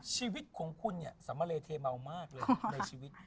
ชีวิตของคุณเนี่ยสำเลเทเมามากเลยในชีวิต